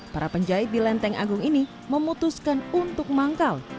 para penjahit di lenteng agung ini memutuskan untuk manggal